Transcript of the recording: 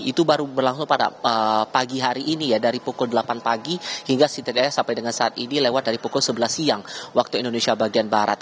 itu baru berlangsung pada pagi hari ini ya dari pukul delapan pagi hingga setidaknya sampai dengan saat ini lewat dari pukul sebelas siang waktu indonesia bagian barat